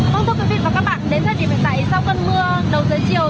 công thông covid và các bạn đến thời điểm này sau cơn mưa đầu dưới chiều